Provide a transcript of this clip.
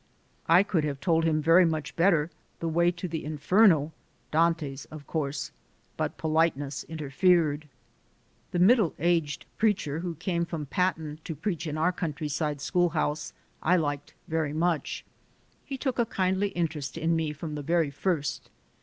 I could have told him very much better the way to the Inferno Dante's, of course but politeness interfered. The middle aged preacher, who came from Patten to preach in our country side schoolhouse, I liked very much. He took a kindly interest in me from the very first.